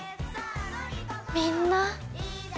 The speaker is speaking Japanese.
みんな。